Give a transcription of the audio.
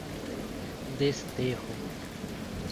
Desterro